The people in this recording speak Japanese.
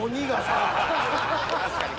確かに。